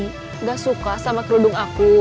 tidak suka sama kerudung aku